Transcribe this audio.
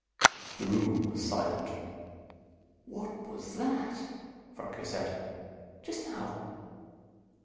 The room was silent. "What was that?" Franco said. "Just now."